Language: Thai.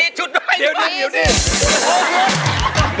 มีสิทธิ์ชุดด้วย